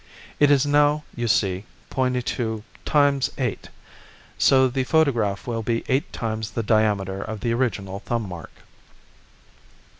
It is now, you see, pointing to x 8, so the photograph will be eight times the diameter of the original thumb mark."